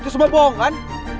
itu semua bohong kan